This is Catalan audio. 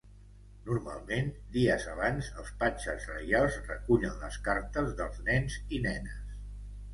Normalment dies abans els Patges Reials recullen les cartes dels nens i nenes.